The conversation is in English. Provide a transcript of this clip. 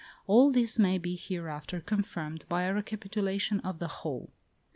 All this may be hereafter confirmed in a recapitulation of the whole.